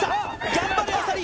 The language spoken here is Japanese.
頑張れ浅利！